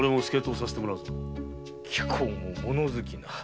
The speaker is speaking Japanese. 貴公も物好きな。